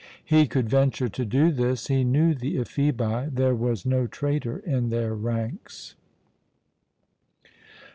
He could venture to do this; he knew the Ephebi there was no traitor in their ranks.